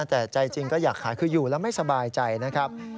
แต่ใจจริงก็อยากขายคืออยู่แล้วไม่สบายใจนะครับ